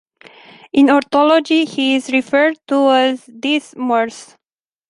In ornithology he is referred to as "Des Murs".